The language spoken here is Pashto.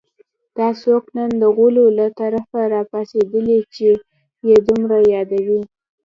دا څوک نن د غولو له طرفه راپاڅېدلي چې یې دومره یادوي